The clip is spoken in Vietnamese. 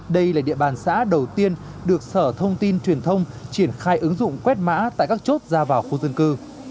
đây là địa bàn xã đầu tiên được sở thông tin truyền thông triển khai ứng dụng quét mã tại các chốt ra vào khu dân cư